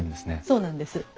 そうなんです。